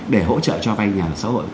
để hỗ trợ cho vài nhà xã hội